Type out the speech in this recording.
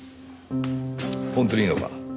本当にいいのか？